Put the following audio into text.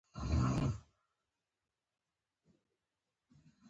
بایسکل چلول بدن ته ښه ورزش دی.